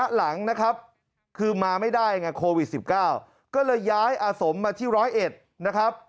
หลังนะครับคือมาไม่ได้ไงโควิด๑๙ก็เลยย้ายอาสมมาที่๑๐๑นะครับ